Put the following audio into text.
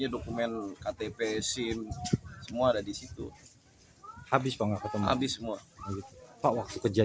bensin semuanya udah susah napas gak bisa